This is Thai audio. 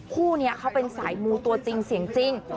คู่นี้เขาเป็นสายมูตัวจริงเสียงจริง